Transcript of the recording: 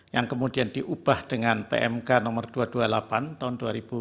yang kemudian diubah dengan pmk nomor dua ratus dua puluh delapan tahun dua ribu dua puluh